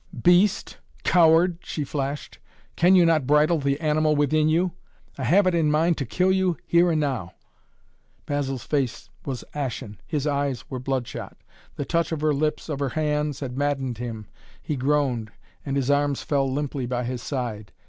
"Beast! Coward!" she flashed, "Can you not bridle the animal within you? I have it in mind to kill you here and now." Basil's face was ashen. His eyes were bloodshot. The touch of her lips, of her hands, had maddened him. He groaned, and his arms fell limply by his side.